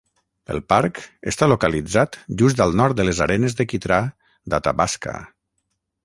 El parc està localitzat just al nord de les Arenes de quitrà d'Athabasca.